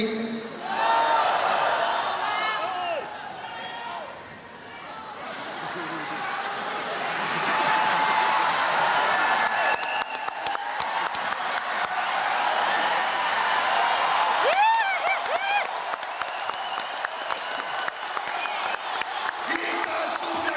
tambah pinter nyuri